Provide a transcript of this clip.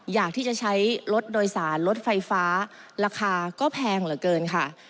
อยากที่จะใช้รถโดยสารรถไฟฟ้าราคาก็แพงเหลือเกินค่ะ